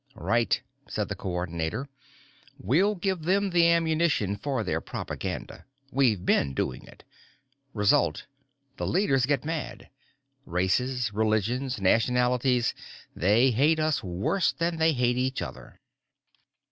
"Right," said the Coordinator. "We'll give them the ammunition for their propaganda. We've been doing it. Result: the leaders get mad. Races, religions, nationalities, they hate us worse than they hate each other."